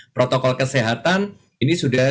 protokol kesehatan ini sudah